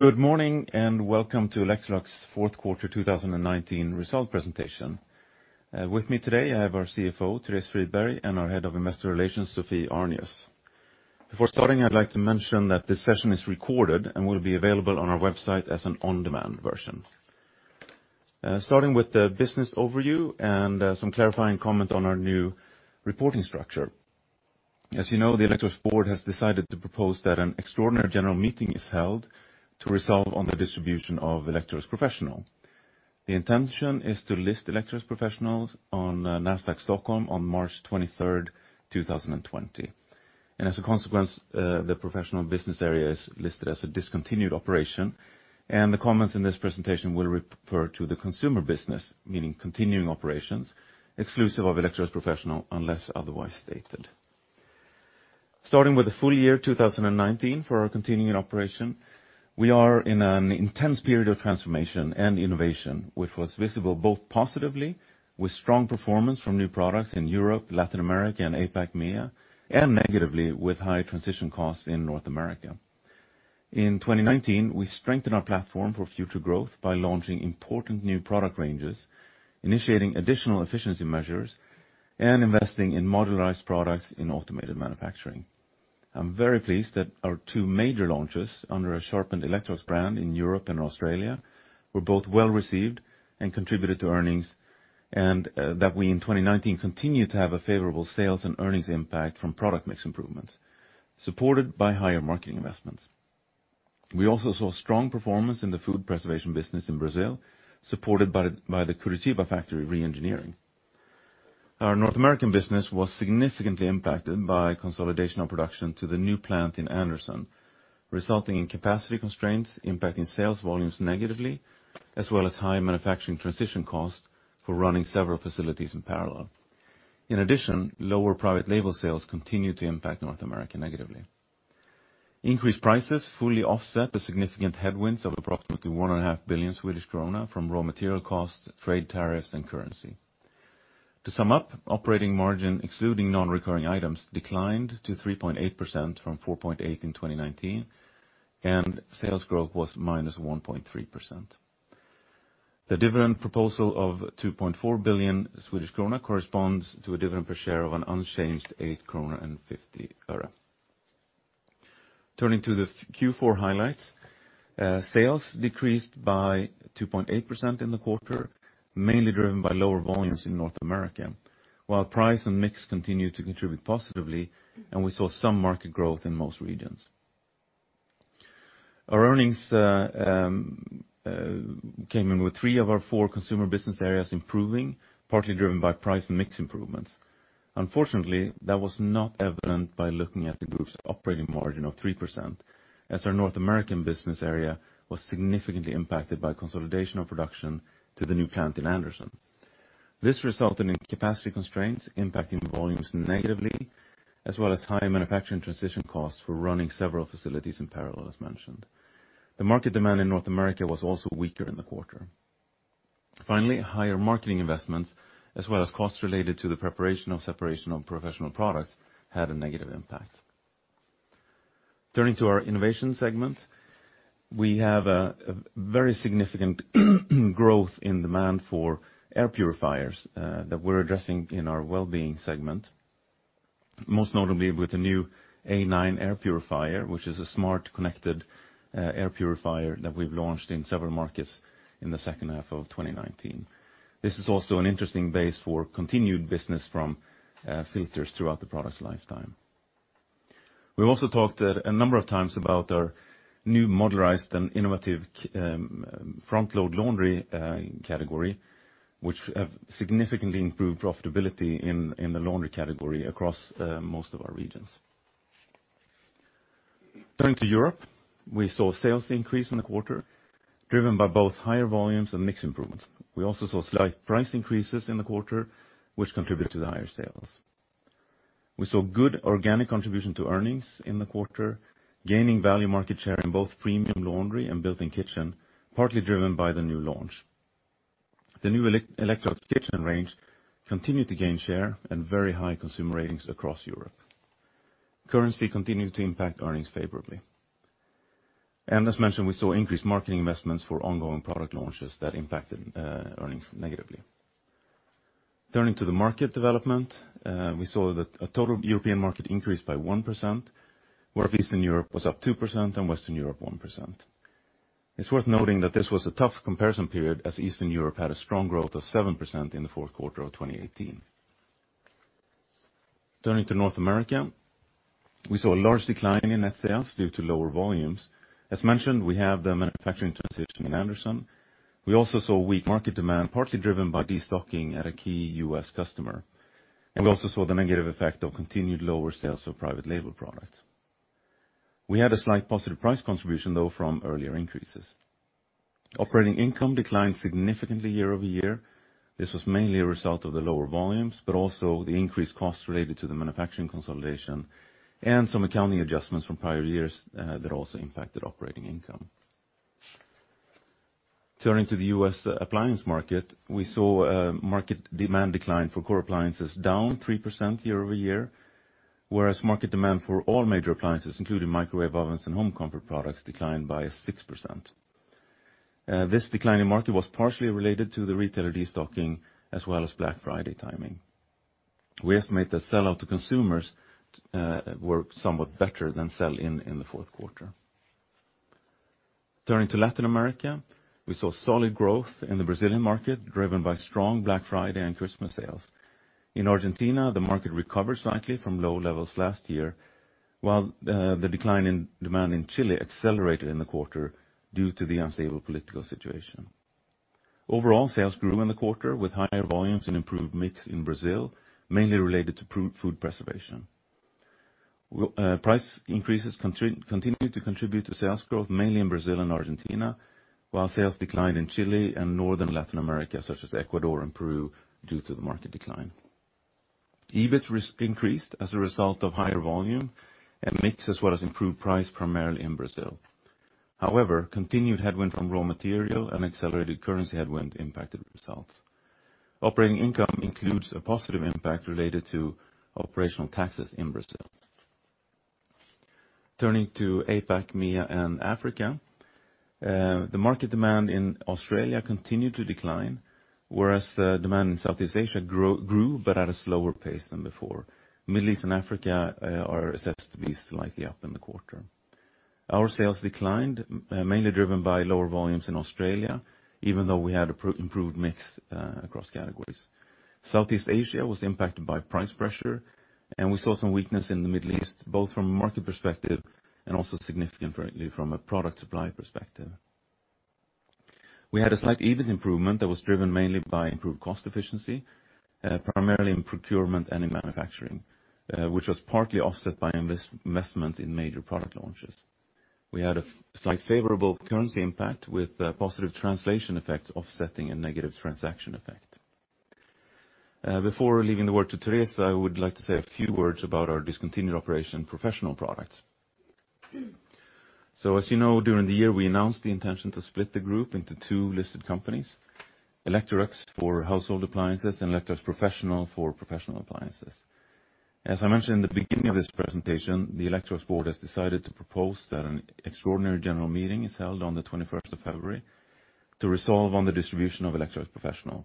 Good morning and welcome to Electrolux fourth quarter 2019 result presentation. With me today I have our CFO, Therese Friberg, and our Head of Investor Relations, Sophie Arnius. Before starting, I'd like to mention that this session is recorded and will be available on our website as an on-demand version. Starting with the business overview and some clarifying comment on our new reporting structure. As you know, the Electrolux board has decided to propose that an extraordinary general meeting is held to resolve on the distribution of Electrolux Professional. As a consequence, the intention is to list Electrolux Professional on Nasdaq Stockholm on March 23rd, 2020. As a consequence, the professional business area is listed as a discontinued operation, and the comments in this presentation will refer to the consumer business, meaning continuing operations, exclusive of Electrolux Professional, unless otherwise stated. Starting with the full-year 2019 for our continuing operation. We are in an intense period of transformation and innovation, which was visible both positively with strong performance from new products in Europe, Latin America, and APAC-MEA, and negatively with high transition costs in North America. In 2019, we strengthened our platform for future growth by launching important new product ranges, initiating additional efficiency measures, and investing in modularized products in automated manufacturing. I'm very pleased that our two major launches under a sharpened Electrolux brand in Europe and Australia were both well-received and contributed to earnings, and that we in 2019 continued to have a favorable sales and earnings impact from product mix improvements, supported by higher marketing investments. We also saw strong performance in the food preservation business in Brazil, supported by the Curitiba factory re-engineering. Our North American business was significantly impacted by consolidation of production to the new plant in Anderson, resulting in capacity constraints impacting sales volumes negatively, as well as high manufacturing transition costs for running several facilities in parallel. In addition, lower private label sales continued to impact North America negatively. Increased prices fully offset the significant headwinds of approximately 1.5 billion Swedish krona from raw material costs, trade tariffs, and currency. To sum up, operating margin excluding non-recurring items declined to 3.8% from 4.8% in 2019, and sales growth was minus 1.3%. The dividend proposal of 2.4 billion Swedish krona corresponds to a dividend per share of an unchanged 8.50. Turning to the Q4 highlights. Sales decreased by 2.8% in the quarter, mainly driven by lower volumes in North America. While price and mix continued to contribute positively, and we saw some market growth in most regions. Our earnings came in with three of our four consumer business areas improving, partly driven by price and mix improvements. Unfortunately, that was not evident by looking at the group's operating margin of 3% as our North American Business Area was significantly impacted by consolidation of production to the new plant in Anderson. This resulted in capacity constraints impacting volumes negatively, as well as high manufacturing transition costs for running several facilities in parallel, as mentioned. The market demand in North America was also weaker in the quarter. Finally, higher marketing investments as well as costs related to the preparation of separation of Professional Products had a negative impact. Turning to our innovation segment, we have a very significant growth in demand for air purifiers that we're addressing in our wellbeing segment, most notably with the new A9 air purifier, which is a smart, connected air purifier that we've launched in several markets in the second half of 2019. This is also an interesting base for continued business from filters throughout the product's lifetime. We've also talked a number of times about our new modularized and innovative front load laundry category, which have significantly improved profitability in the laundry category across most of our regions. Turning to Europe, we saw sales increase in the quarter driven by both higher volumes and mix improvements. We also saw slight price increases in the quarter, which contributed to the higher sales. We saw good organic contribution to earnings in the quarter, gaining value market share in both premium laundry and built-in kitchen, partly driven by the new launch. The new Electrolux kitchen range continued to gain share and very high consumer ratings across Europe. Currency continued to impact earnings favorably. As mentioned, we saw increased marketing investments for ongoing product launches that impacted earnings negatively. Turning to the market development, we saw that a total European market increase by 1%, where Eastern Europe was up 2% and Western Europe 1%. It's worth noting that this was a tough comparison period, as Eastern Europe had a strong growth of 7% in the fourth quarter of 2018. Turning to North America, we saw a large decline in net sales due to lower volumes. As mentioned, we have the manufacturing transition in Anderson. We also saw weak market demand, partly driven by destocking at a key U.S. customer, and we also saw the negative effect of continued lower sales of private label products. We had a slight positive price contribution, though, from earlier increases. Operating income declined significantly year-over-year. This was mainly a result of the lower volumes, but also the increased costs related to the manufacturing consolidation and some accounting adjustments from prior years that also impacted operating income. Turning to the U.S. appliance market, we saw market demand decline for core appliances down 3% year-over-year, whereas market demand for all major appliances, including microwave ovens and home comfort products, declined by 6%. This decline in market was partially related to the retailer de-stocking as well as Black Friday timing. We estimate that sell-out to consumers were somewhat better than sell-in, in the fourth quarter. Turning to Latin America, we saw solid growth in the Brazilian market, driven by strong Black Friday and Christmas sales. In Argentina, the market recovered slightly from low levels last year, while the decline in demand in Chile accelerated in the quarter due to the unstable political situation. Overall, sales grew in the quarter, with higher volumes and improved mix in Brazil, mainly related to food preservation. Price increases continued to contribute to sales growth, mainly in Brazil and Argentina, while sales declined in Chile and Northern Latin America, such as Ecuador and Peru, due to the market decline. EBIT increased as a result of higher volume and mix, as well as improved price, primarily in Brazil. Continued headwind from raw material and accelerated currency headwind impacted results. Operating income includes a positive impact related to operational taxes in Brazil. Turning to APAC, MEA, and Africa, the market demand in Australia continued to decline, whereas demand in Southeast Asia grew, but at a slower pace than before. Middle East and Africa are assessed to be slightly up in the quarter. Our sales declined, mainly driven by lower volumes in Australia, even though we had improved mix across categories. Southeast Asia was impacted by price pressure, and we saw some weakness in the Middle East, both from a market perspective and also significantly from a product supply perspective. We had a slight EBIT improvement that was driven mainly by improved cost efficiency, primarily in procurement and in manufacturing, which was partly offset by investment in major product launches. We had a slight favorable currency impact, with positive translation effects offsetting a negative transaction effect. Before leaving the word to Therese, I would like to say a few words about our discontinued operation Professional Products. As you know, during the year, we announced the intention to split the group into two listed companies, Electrolux for household appliances and Electrolux Professional for professional appliances. As I mentioned in the beginning of this presentation, the Electrolux board has decided to propose that an extraordinary general meeting is held on the 21st of February to resolve on the distribution of Electrolux Professional.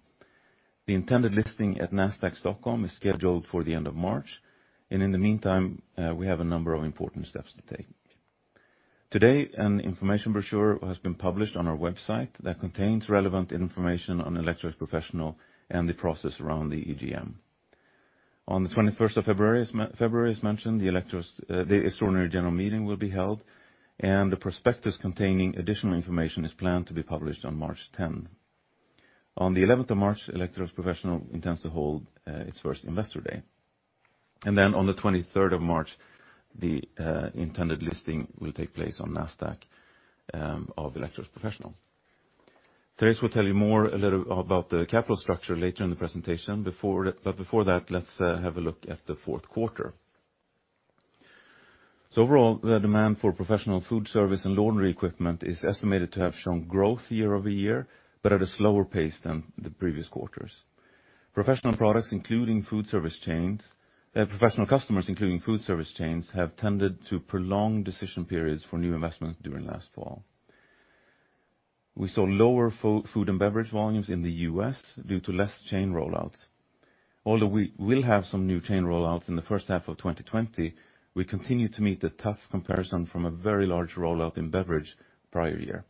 The intended listing at Nasdaq Stockholm is scheduled for the end of March, and in the meantime, we have a number of important steps to take. Today, an information brochure has been published on our website that contains relevant information on Electrolux Professional and the process around the EGM. On the 21st of February, as mentioned, the extraordinary general meeting will be held, and the prospectus containing additional information is planned to be published on March 10. On the 11th of March, Electrolux Professional intends to hold its first investor day. On the 23rd of March, the intended listing will take place on Nasdaq of Electrolux Professional. Therese will tell you more about the capital structure later in the presentation. Before that, let's have a look at the fourth quarter. Overall, the demand for professional food service and laundry equipment is estimated to have shown growth year-over-year, but at a slower pace than the previous quarters. Professional customers, including food service chains, have tended to prolong decision periods for new investments during last fall. We saw lower food and beverage volumes in the U.S. due to less chain rollouts. Although we will have some new chain rollouts in the first half of 2020, we continue to meet a tough comparison from a very large rollout in beverage prior year.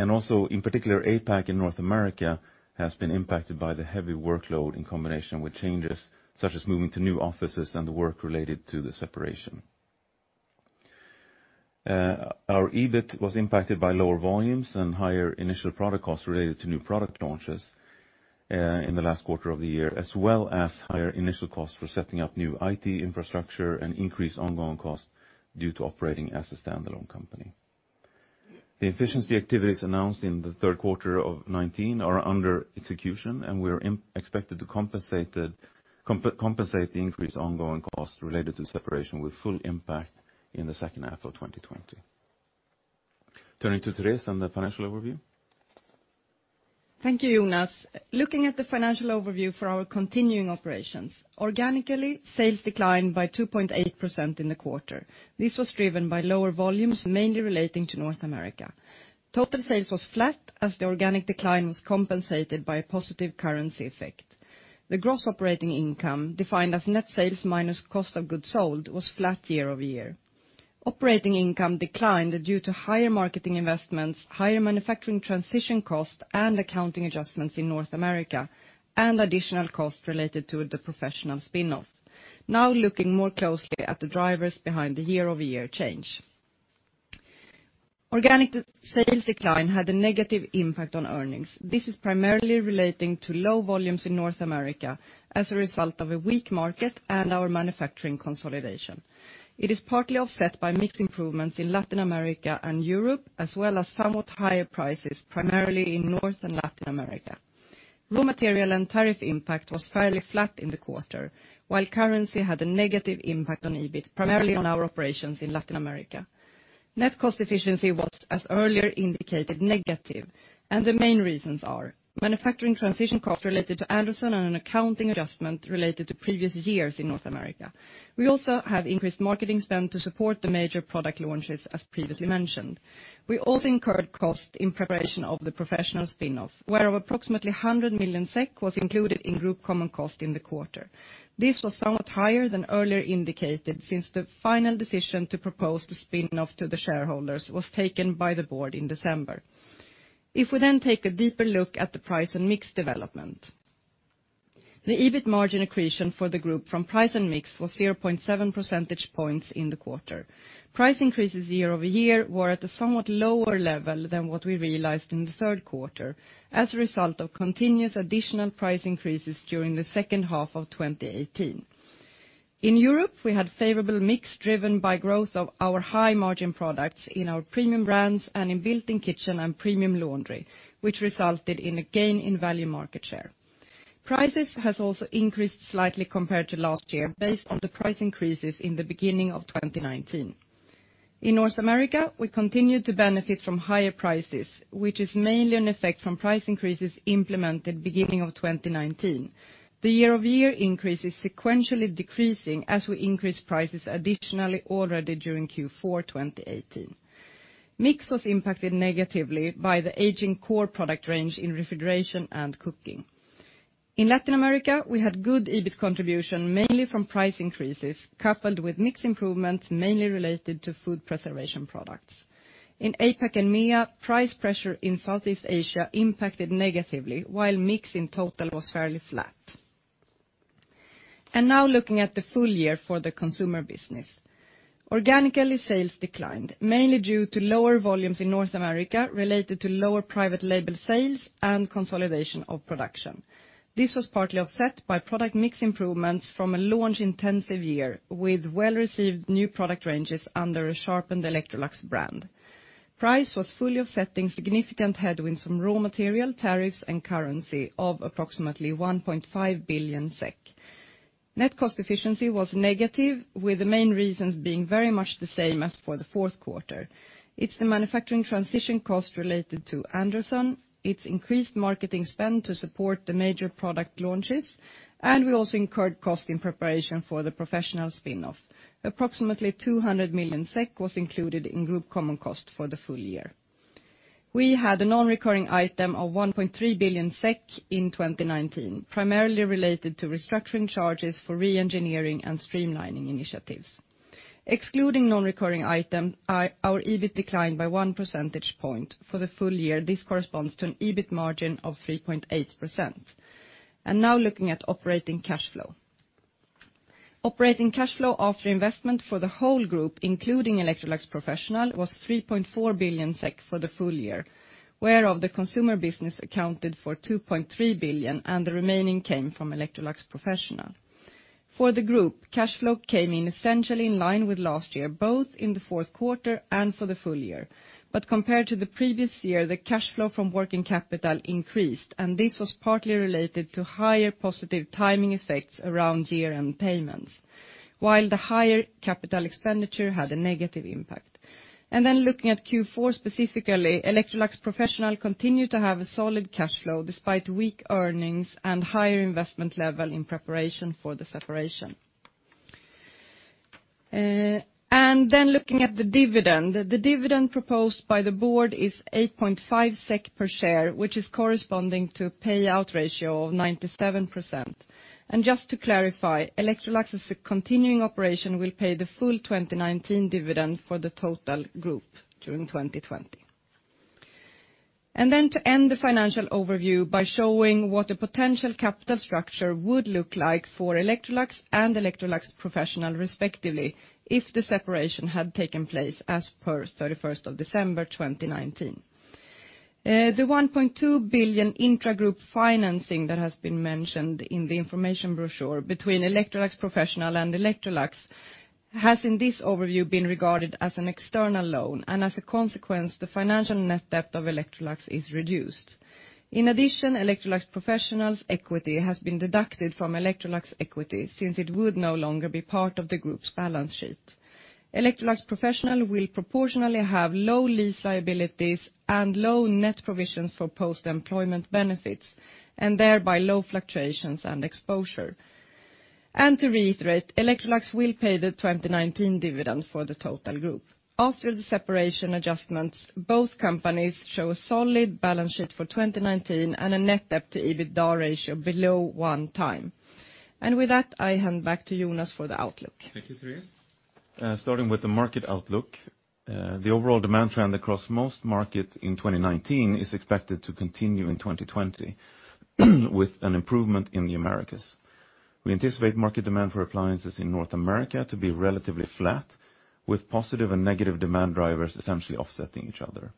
Also, in particular, APAC and North America has been impacted by the heavy workload in combination with changes such as moving to new offices and the work related to the separation. Our EBIT was impacted by lower volumes and higher initial product costs related to new product launches in the last quarter of the year, as well as higher initial costs for setting up new IT infrastructure and increased ongoing costs due to operating as a standalone company. The efficiency activities announced in the third quarter of 2019 are under execution, and we are expected to compensate the increased ongoing cost related to separation with full impact in the second half of 2020. Turning to Therese and the financial overview. Thank you, Jonas. Looking at the financial overview for our continuing operations, organically, sales declined by 2.8% in the quarter. This was driven by lower volumes, mainly relating to North America. Total sales was flat as the organic decline was compensated by a positive currency effect. The gross operating income, defined as net sales minus cost of goods sold, was flat year-over-year. Operating income declined due to higher marketing investments, higher manufacturing transition costs, and accounting adjustments in North America, and additional costs related to the professional spinoff. Now looking more closely at the drivers behind the year-over-year change. Organic sales decline had a negative impact on earnings. This is primarily relating to low volumes in North America as a result of a weak market and our manufacturing consolidation. It is partly offset by mix improvements in Latin America and Europe, as well as somewhat higher prices, primarily in North and Latin America. Raw material and tariff impact was fairly flat in the quarter, while currency had a negative impact on EBIT, primarily on our operations in Latin America. Net cost efficiency was, as earlier indicated, negative, and the main reasons are manufacturing transition costs related to Anderson and an accounting adjustment related to previous years in North America. We also have increased marketing spend to support the major product launches, as previously mentioned. We also incurred cost in preparation of the Electrolux Professional spinoff, where approximately 100 million SEK was included in group common cost in the quarter. This was somewhat higher than earlier indicated, since the final decision to propose the spinoff to the shareholders was taken by the board in December. If we take a deeper look at the price and mix development. The EBIT margin accretion for the group from price and mix was 0.7 percentage points in the quarter. Price increases year-over-year were at a somewhat lower level than what we realized in the third quarter as a result of continuous additional price increases during the second half of 2018. In Europe, we had favorable mix driven by growth of our high margin products in our premium brands and in built-in kitchen and premium laundry, which resulted in a gain in value market share. Prices has also increased slightly compared to last year based on the price increases in the beginning of 2019. In North America, we continued to benefit from higher prices, which is mainly an effect from price increases implemented beginning of 2019. The year-over-year increase is sequentially decreasing as we increase prices additionally already during Q4 2018. Mix was impacted negatively by the aging core product range in refrigeration and cooking. In Latin America, we had good EBIT contribution, mainly from price increases coupled with mix improvements, mainly related to food preservation products. In APAC and MEA, price pressure in Southeast Asia impacted negatively, while mix in total was fairly flat. Now looking at the full-year for the consumer business. Organically, sales declined, mainly due to lower volumes in North America related to lower private label sales and consolidation of production. This was partly offset by product mix improvements from a launch-intensive year with well-received new product ranges under a sharpened Electrolux brand. Price was fully offsetting significant headwinds from raw material, tariffs, and currency of approximately 1.5 billion SEK. Net cost efficiency was negative, with the main reasons being very much the same as for the fourth quarter. It's the manufacturing transition cost related to Anderson. It's increased marketing spend to support the major product launches, and we also incurred cost in preparation for the Professional spinoff. Approximately 200 million SEK was included in group common cost for the full-year. We had a non-recurring item of 1.3 billion SEK in 2019, primarily related to restructuring charges for re-engineering and streamlining initiatives. Excluding non-recurring item, our EBIT declined by one percentage point. For the full-year, this corresponds to an EBIT margin of 3.8%. Now looking at operating cash flow. Operating cash flow after investment for the whole group, including Electrolux Professional, was 3.4 billion SEK for the full-year, whereof the consumer business accounted for 2.3 billion and the remaining came from Electrolux Professional. For the group, cash flow came in essentially in line with last year, both in the fourth quarter and for the full-year. Compared to the previous year, the cash flow from working capital increased, and this was partly related to higher positive timing effects around year-end payments, while the higher CapEx had a negative impact. Looking at Q4 specifically, Electrolux Professional continued to have a solid cash flow despite weak earnings and higher investment level in preparation for the separation. Looking at the dividend. The dividend proposed by the board is 8.5 SEK per share, which is corresponding to payout ratio of 97%. Just to clarify, Electrolux as a continuing operation will pay the full 2019 dividend for the total group during 2020. To end the financial overview by showing what a potential capital structure would look like for Electrolux and Electrolux Professional respectively, if the separation had taken place as per 31st of December 2019. The 1.2 billion intragroup financing that has been mentioned in the information brochure between Electrolux Professional and Electrolux has, in this overview, been regarded as an external loan. As a consequence, the financial net debt of Electrolux is reduced. In addition, Electrolux Professional's equity has been deducted from Electrolux equity since it would no longer be part of the group's balance sheet. Electrolux Professional will proportionally have low lease liabilities and low net provisions for post-employment benefits, thereby low fluctuations and exposure. To reiterate, Electrolux will pay the 2019 dividend for the total group. After the separation adjustments, both companies show a solid balance sheet for 2019 and a net debt to EBITDA ratio below one time. With that, I hand back to Jonas for the outlook. Thank you, Therese. Starting with the market outlook. The overall demand trend across most markets in 2019 is expected to continue in 2020 with an improvement in the Americas. We anticipate market demand for appliances in North America to be relatively flat, with positive and negative demand drivers essentially offsetting each other.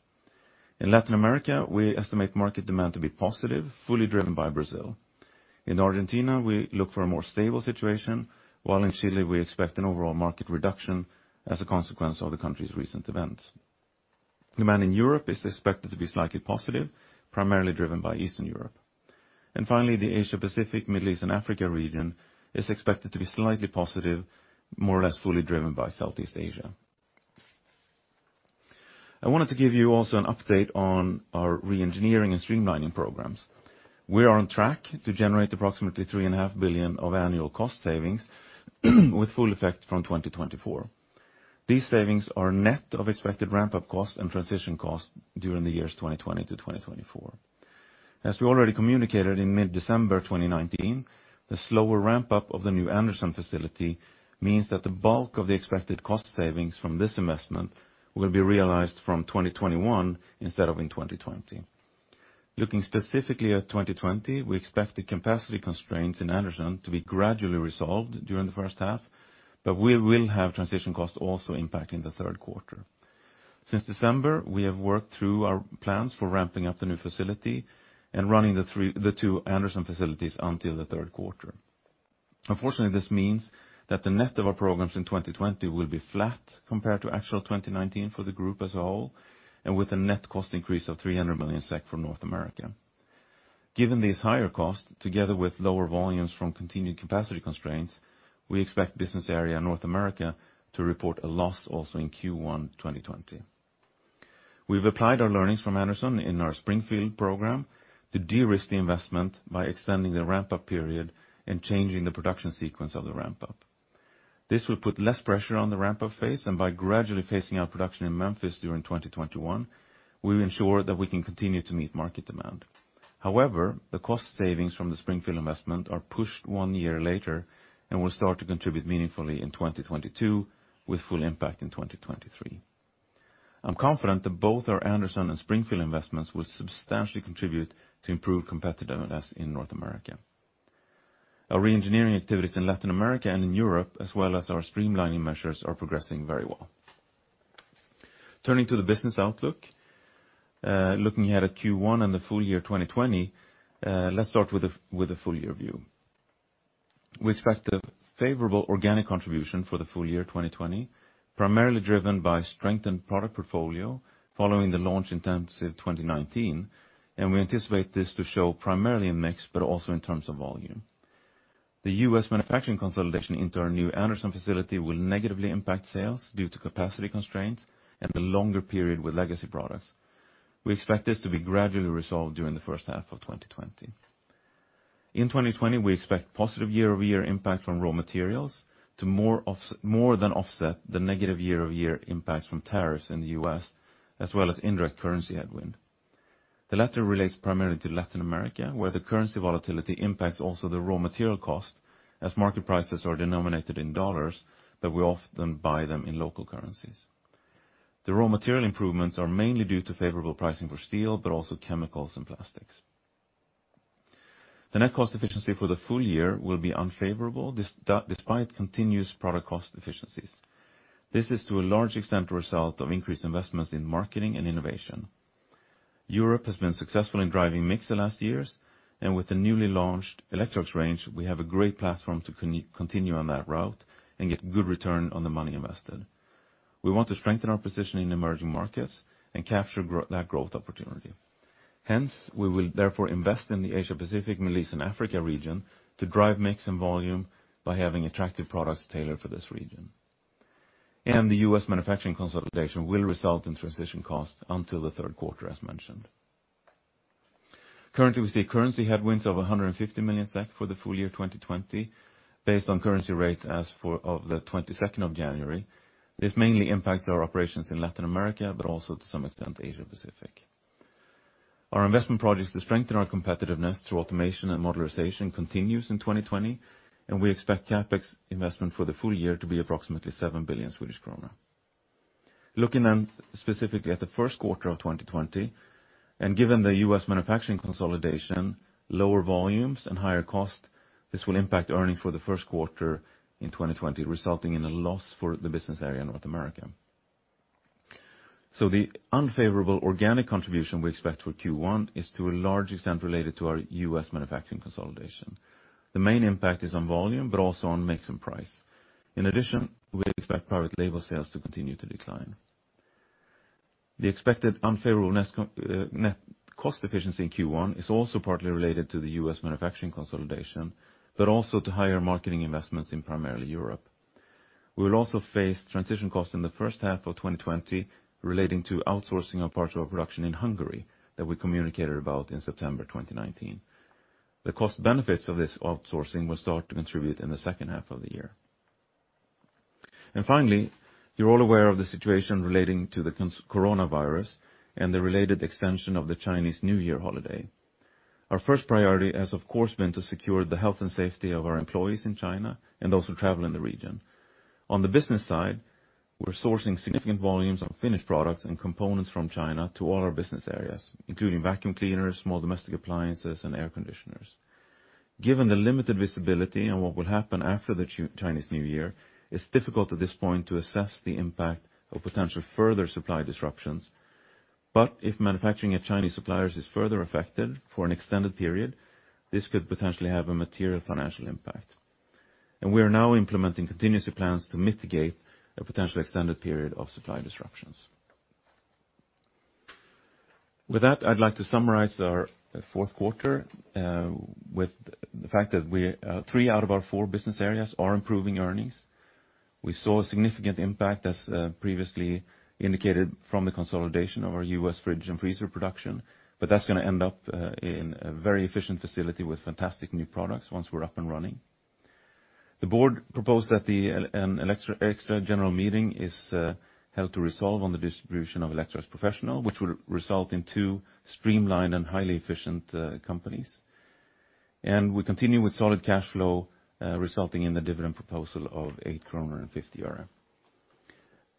In Latin America, we estimate market demand to be positive, fully driven by Brazil. In Argentina, we look for a more stable situation, while in Chile, we expect an overall market reduction as a consequence of the country's recent events. Demand in Europe is expected to be slightly positive, primarily driven by Eastern Europe. Finally, the Asia-Pacific, Middle East, and Africa region is expected to be slightly positive, more or less fully driven by Southeast Asia. I wanted to give you also an update on our re-engineering and streamlining programs. We are on track to generate approximately 3.5 Billion of annual cost savings with full effect from 2024. These savings are net of expected ramp-up costs and transition costs during the years 2020-2024. As we already communicated in mid-December 2019, the slower ramp-up of the new Anderson facility means that the bulk of the expected cost savings from this investment will be realized from 2021 instead of in 2020. Looking specifically at 2020, we expect the capacity constraints in Anderson to be gradually resolved during the first half, but we will have transition costs also impacting the third quarter. Since December, we have worked through our plans for ramping up the new facility and running the two Anderson facilities until the third quarter. Unfortunately, this means that the net of our programs in 2020 will be flat compared to actual 2019 for the group as a whole, and with a net cost increase of 300 million SEK for North America. Given these higher costs, together with lower volumes from continued capacity constraints, we expect business area North America to report a loss also in Q1 2020. We've applied our learnings from Anderson in our Springfield program to de-risk the investment by extending the ramp-up period and changing the production sequence of the ramp-up. This will put less pressure on the ramp-up phase, and by gradually phasing out production in Memphis during 2021, we will ensure that we can continue to meet market demand. However, the cost savings from the Springfield investment are pushed one year later and will start to contribute meaningfully in 2022 with full impact in 2023. I'm confident that both our Anderson and Springfield investments will substantially contribute to improved competitiveness in North America. Our re-engineering activities in Latin America and in Europe, as well as our streamlining measures, are progressing very well. Turning to the business outlook. Looking ahead at Q1 and the full-year 2020, let's start with the full-year view. We expect a favorable organic contribution for the full-year 2020, primarily driven by strengthened product portfolio following the launch in terms of 2019, and we anticipate this to show primarily in mix, but also in terms of volume. The U.S. manufacturing consolidation into our new Anderson facility will negatively impact sales due to capacity constraints and the longer period with legacy products. We expect this to be gradually resolved during the first half of 2020. In 2020, we expect positive year-over-year impact from raw materials to more than offset the negative year-over-year impacts from tariffs in the U.S., as well as indirect currency headwind. The latter relates primarily to Latin America, where the currency volatility impacts also the raw material cost, as market prices are denominated in U.S. dollars, but we often buy them in local currencies. The raw material improvements are mainly due to favorable pricing for steel, but also chemicals and plastics. The net cost efficiency for the full-year will be unfavorable, despite continuous product cost efficiencies. This is to a large extent a result of increased investments in marketing and innovation. Europe has been successful in driving mix the last years, and with the newly launched Electrolux range, we have a great platform to continue on that route and get good return on the money invested. We want to strengthen our position in emerging markets and capture that growth opportunity. We will therefore invest in the Asia-Pacific, Middle East, and Africa region to drive mix and volume by having attractive products tailored for this region. The U.S. manufacturing consolidation will result in transition costs until the third quarter, as mentioned. Currently, we see currency headwinds of 150 million SEK for the full-year 2020 based on currency rates as of the 22nd of January. This mainly impacts our operations in Latin America, but also to some extent, Asia-Pacific. Our investment projects to strengthen our competitiveness through automation and modularization continues in 2020, and we expect CapEx investment for the full-year to be approximately 7 billion Swedish krona. Looking specifically at the first quarter of 2020, and given the U.S. manufacturing consolidation, lower volumes, and higher cost, this will impact earnings for the first quarter in 2020, resulting in a loss for the business area in North America. The unfavorable organic contribution we expect for Q1 is to a large extent related to our U.S. manufacturing consolidation. The main impact is on volume, but also on mix and price. In addition, we expect private label sales to continue to decline. The expected unfavorable net cost efficiency in Q1 is also partly related to the U.S. manufacturing consolidation, but also to higher marketing investments in primarily Europe. We will also face transition costs in the first half of 2020 relating to outsourcing of parts of our production in Hungary that we communicated about in September 2019. The cost benefits of this outsourcing will start to contribute in the second half of the year. Finally, you're all aware of the situation relating to the coronavirus and the related extension of the Chinese New Year holiday. Our first priority has, of course, been to secure the health and safety of our employees in China and those who travel in the region. On the business side, we're sourcing significant volumes of finished products and components from China to all our business areas, including vacuum cleaners, small domestic appliances, and air conditioners. Given the limited visibility on what will happen after the Chinese New Year, it's difficult at this point to assess the impact of potential further supply disruptions. If manufacturing at Chinese suppliers is further affected for an extended period, this could potentially have a material financial impact. We are now implementing contingency plans to mitigate a potential extended period of supply disruptions. With that, I'd like to summarize our fourth quarter with the fact that three out of our four business areas are improving earnings. We saw a significant impact, as previously indicated from the consolidation of our U.S. fridge and freezer production, but that's going to end up in a very efficient facility with fantastic new products once we're up and running. The board proposed that an extra general meeting is held to resolve on the distribution of Electrolux Professional, which will result in two streamlined and highly efficient companies. We continue with solid cash flow, resulting in the dividend proposal of SEK 8.50.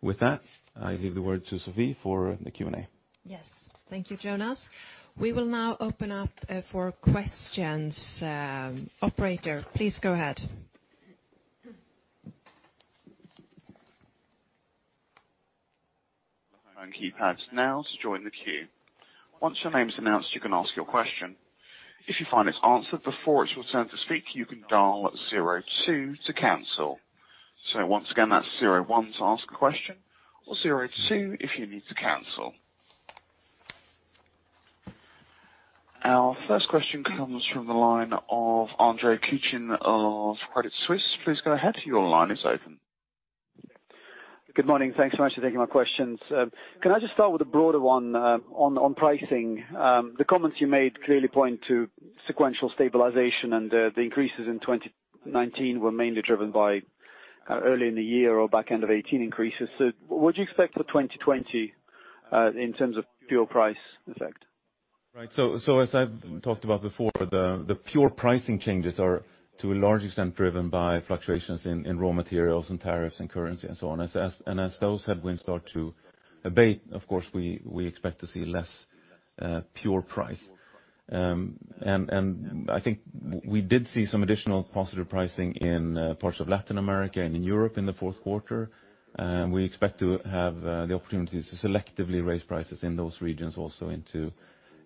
With that, I leave the word to Sophie for the Q&A. Yes. Thank you, Jonas. We will now open up for questions. Operator, please go ahead. Phone keypads now to join the queue. Once your name is announced, you can ask your question. If you find it answered before it's your turn to speak, you can dial zero two to cancel. Once again, that's zero one to ask a question or zero two if you need to cancel. Our first question comes from the line of Andre Kukhnin of Credit Suisse. Please go ahead. Your line is open. Good morning. Thanks so much for taking my questions. Can I just start with a broader one on pricing? The comments you made clearly point to sequential stabilization and the increases in 2019 were mainly driven by early in the year or back end of 2018 increases. What do you expect for 2020 in terms of pure price effect? Right. As I've talked about before, the pure pricing changes are to a large extent driven by fluctuations in raw materials and tariffs and currency and so on. As those headwinds start to abate, of course, we expect to see less pure price. I think we did see some additional positive pricing in parts of Latin America and in Europe in the fourth quarter. We expect to have the opportunities to selectively raise prices in those regions also into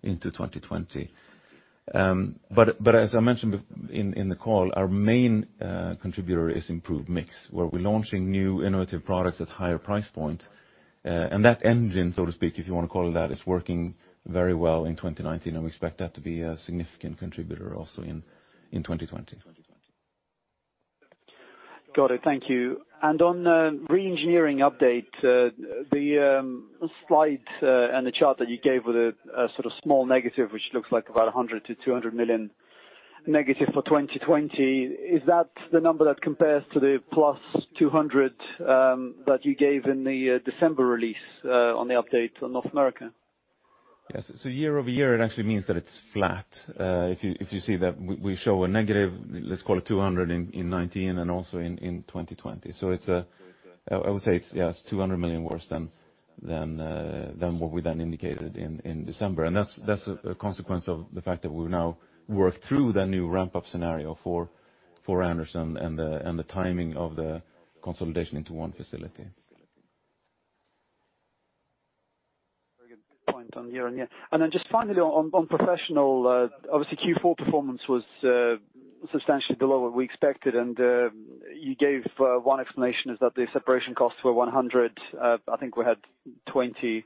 2020. As I mentioned in the call, our main contributor is improved mix, where we're launching new innovative products at higher price points. That engine, so to speak, if you want to call it that, is working very well in 2019, and we expect that to be a significant contributor also in 2020. Got it. Thank you. On reengineering update, the slide and the chart that you gave with a sort of small negative, which looks like about 100 million-200 million negative for 2020. Is that the number that compares to the +200 that you gave in the December release on the update on North America? Yes. Year-over-year, it actually means that it's flat. If you see that we show a negative, let's call it 200 in 2019 and also in 2020. I would say it's 200 million worse than what we then indicated in December. That's a consequence of the fact that we've now worked through the new ramp-up scenario for Anderson and the timing of the consolidation into one facility. Very good point on year-on-year. Just finally on Electrolux Professional, obviously Q4 performance was substantially below what we expected. You gave one explanation is that the separation costs were 100. I think we had 20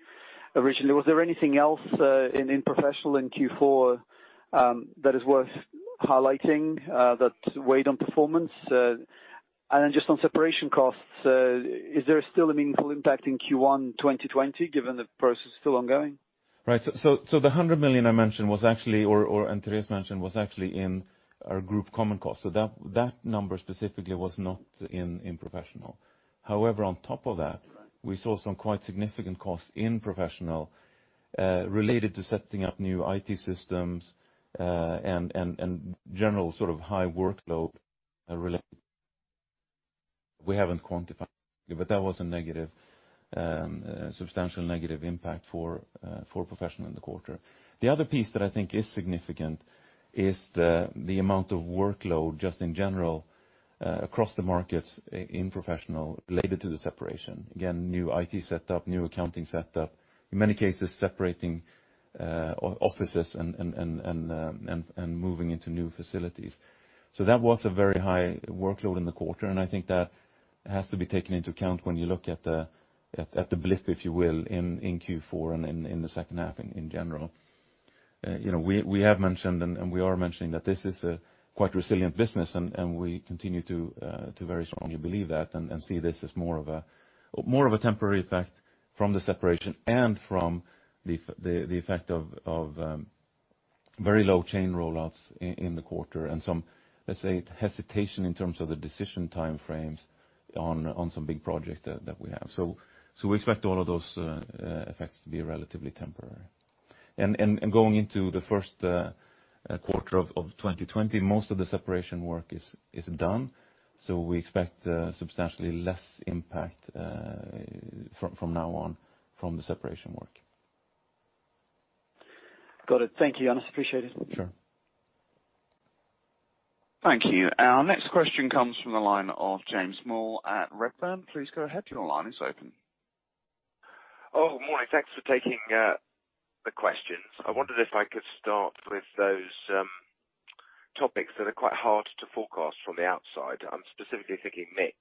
originally. Was there anything else in Electrolux Professional in Q4 that is worth highlighting that weighed on performance? Just on separation costs, is there still a meaningful impact in Q1 2020 given the process is still ongoing? The 100 million I mentioned was actually, or Andre mentioned, was actually in our group common cost. That number specifically was not in Professional. However, on top of that. We saw some quite significant costs in Professional related to setting up new IT systems and general high workload related. We haven't quantified, but that was a substantial negative impact for Professional in the quarter. The other piece that I think is significant is the amount of workload just in general across the markets in Professional related to the separation. Again, new IT set up, new accounting set up, in many cases separating offices and moving into new facilities. That was a very high workload in the quarter, and I think that has to be taken into account when you look at the blip, if you will, in Q4 and in the second half in general. We have mentioned, and we are mentioning, that this is a quite resilient business, and we continue to very strongly believe that and see this as more of a temporary effect from the separation and from the effect of very low chain rollouts in the quarter and some, let's say, hesitation in terms of the decision time frames on some big projects that we have. We expect all of those effects to be relatively temporary. Going into the first quarter of 2020, most of the separation work is done. We expect substantially less impact from now on from the separation work. Got it. Thank you, Jonas. Appreciate it. Sure. Thank you. Our next question comes from the line of James Moore at Redburn. Please go ahead. Your line is open. Morning. Thanks for taking the questions. I wondered if I could start with those topics that are quite hard to forecast from the outside. I'm specifically thinking mix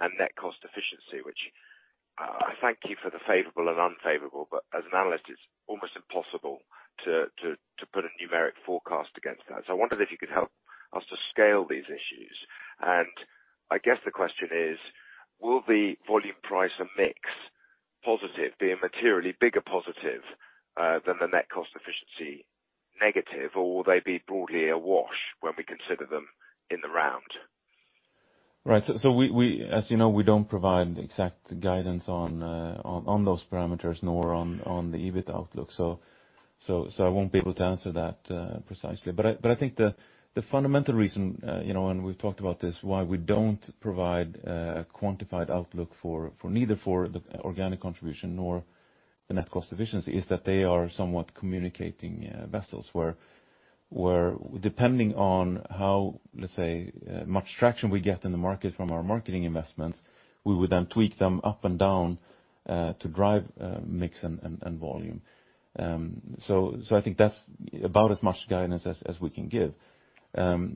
and net cost efficiency, which I thank you for the favorable and unfavorable, but as an analyst, it's almost impossible to put a numeric forecast against that. I wondered if you could help us to scale these issues. I guess the question is: Will the volume price and mix positive be a materially bigger positive than the net cost efficiency negative, or will they be broadly a wash when we consider them in the round? Right. As you know, we don't provide exact guidance on those parameters, nor on the EBIT outlook. I won't be able to answer that precisely. I think the fundamental reason, and we've talked about this, why we don't provide a quantified outlook neither for the organic contribution nor the net cost efficiency is that they are somewhat communicating vessels where, depending on how, let's say, much traction we get in the market from our marketing investments, we would then tweak them up and down to drive mix and volume. I think that's about as much guidance as we can give.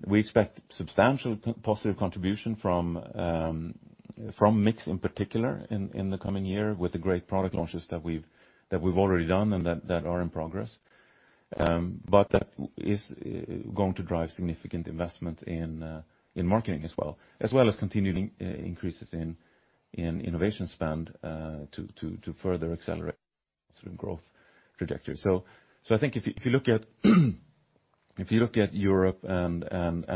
We expect substantial positive contribution from mix in particular in the coming year with the great product launches that we've already done and that are in progress. That is going to drive significant investment in marketing as well, as well as continued increases in innovation spend to further accelerate growth trajectory. I think if you look at Europe and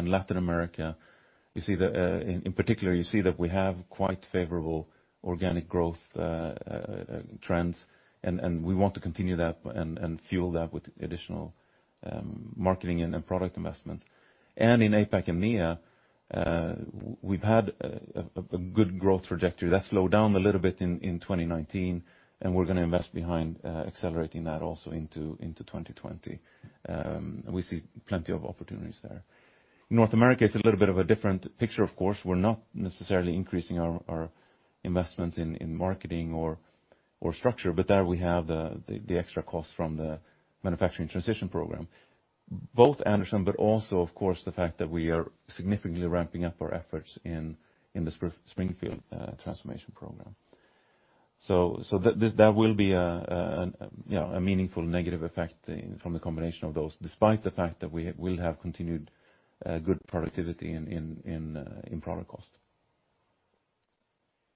Latin America, in particular, you see that we have quite favorable organic growth trends, and we want to continue that and fuel that with additional marketing and product investments. In APAC and EMEA, we've had a good growth trajectory. That slowed down a little bit in 2019, and we're going to invest behind accelerating that also into 2020. We see plenty of opportunities there. North America is a little bit of a different picture, of course. We're not necessarily increasing our investments in marketing or structure, but there we have the extra cost from the manufacturing transition program. Both Anderson, but also, of course, the fact that we are significantly ramping up our efforts in the Springfield Transformation Program. That will be a meaningful negative effect from the combination of those, despite the fact that we will have continued good productivity in product cost.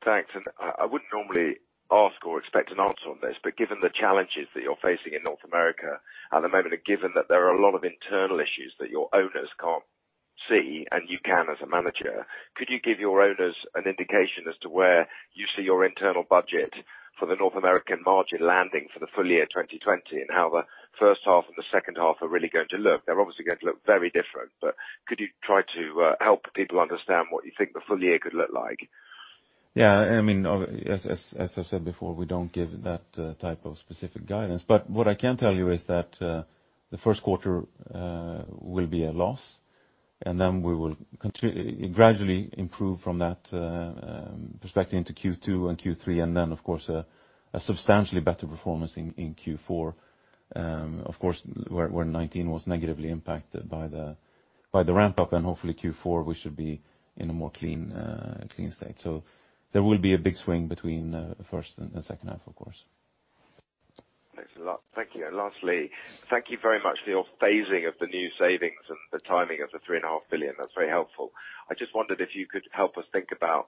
Thanks. I wouldn't normally ask or expect an answer on this, but given the challenges that you're facing in North America at the moment, and given that there are a lot of internal issues that your owners can't see and you can as a manager, could you give your owners an indication as to where you see your internal budget for the North American margin landing for the full-year 2020 and how the first half and the second half are really going to look? They're obviously going to look very different, but could you try to help people understand what you think the full-year could look like? Yeah. As I said before, we don't give that type of specific guidance. What I can tell you is that the first quarter will be a loss, and then we will gradually improve from that perspective into Q2 and Q3, and then, of course, a substantially better performance in Q4. Of course, where 2019 was negatively impacted by the ramp-up, and hopefully Q4 we should be in a more clean state. There will be a big swing between first and second half, of course. Thanks a lot. Thank you. Lastly, thank you very much for your phasing of the new savings and the timing of the 3.5 billion. That's very helpful. I just wondered if you could help us think about,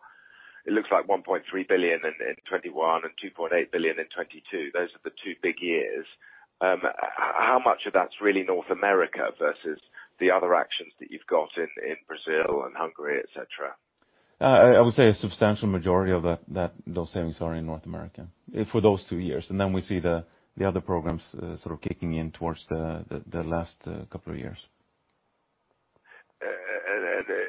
it looks like 1.3 billion in 2021 and 2.8 billion in 2022. Those are the two big years. How much of that's really North America versus the other actions that you've got in Brazil and Hungary, et cetera? I would say a substantial majority of those savings are in North America for those two years. Then we see the other programs sort of kicking in towards the last couple of years.